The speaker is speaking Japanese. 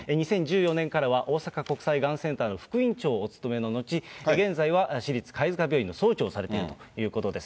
２０１４年からは大阪国際がんセンターの副院長をお務めののち、現在は市立貝塚病院の総長をされているということです。